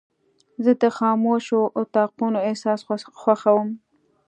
زه د خاموشو اتاقونو احساس خوښوم.